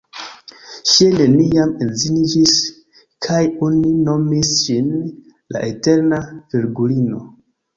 Ŝi neniam edziniĝis, kaj oni nomis ŝin "la Eterna Virgulino".